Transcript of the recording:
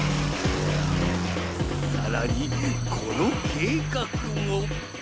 さらにこの計画も。